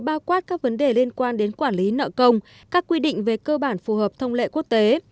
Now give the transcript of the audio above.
bao quát các vấn đề liên quan đến quản lý nợ công các quy định về cơ bản phù hợp thông lệ quốc tế